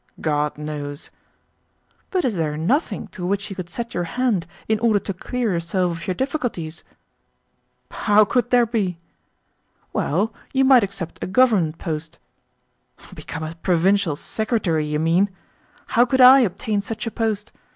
"God knows." "But is there NOTHING to which you could set your hand in order to clear yourself of your difficulties?" "How could there be?" "Well, you might accept a Government post." "Become a provincial secretary, you mean? How could I obtain such a post?